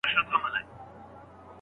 څه خو راته وايي ګړوي چي نیمه ژبه